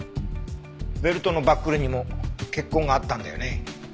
ベルトのバックルにも血痕があったんだよね？